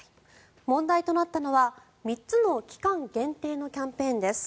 問題となったのは３つの期間限定のキャンペーンです。